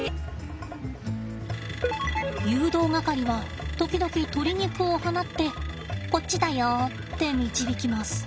誘導係は時々鶏肉を放ってこっちだよって導きます。